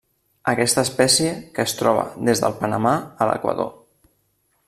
Aquesta espècie es troba des del Panamà a l'Equador.